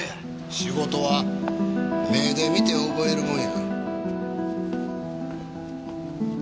仕事は目で見て覚えるもんや。